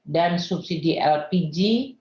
dan subsidi lpg